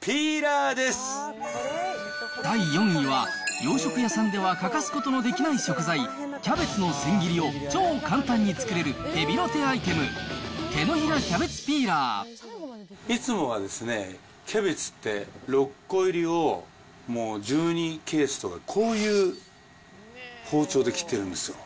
第４位は、洋食屋さんでは欠かすことのできない食材、キャベツの千切りを超簡単に作れるヘビロテアイテム、いつもはですね、キャベツって、６個入りを、もう１２ケースとか、こういう包丁で切ってるんですよ。